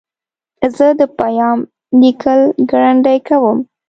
زه د پیام لیکل ګړندي کوم.